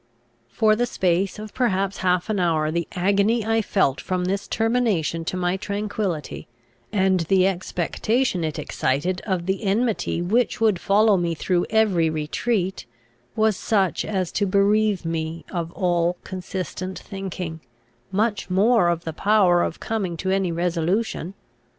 For the space perhaps of half an hour the agony I felt from this termination to my tranquillity, and the expectation it excited of the enmity which would follow me through every retreat, was such as to bereave me of all consistent thinking, much more of the power of coming to any resolution.